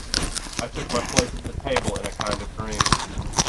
I took my place at the table in a kind of dream.